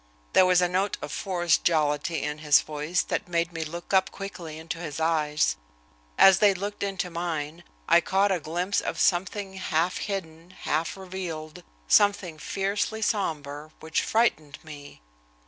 There was a note of forced jollity in his voice that made me look up quickly into his eyes. As they looked into mine, I caught a glimpse of something half hidden, half revealed, something fiercely sombre, which frightened me.